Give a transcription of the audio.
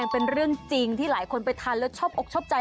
เป็นเรื่องจริงที่หลายคนไปทานแล้วชอบอกชอบใจ